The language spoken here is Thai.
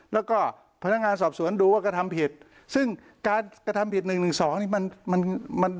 แล้วก็พนักงานสอบสวนดูว่ากระทำผิดซึ่งการกระทำผิดหนึ่งหนึ่งสองนี่มันมัน